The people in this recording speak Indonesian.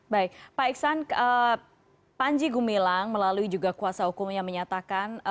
baik pak iksan panji gumilang melalui juga kuasa hukumnya menyatakan